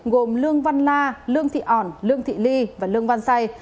gồm lương văn la lương thị ỏn lương thị ly và lương văn say